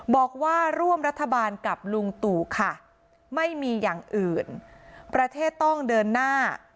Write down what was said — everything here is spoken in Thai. บอกว่าร่วมรัฐบาลกับลุงตู่ค่ะไม่มีอย่างอื่นประเทศต้องเดินหน้า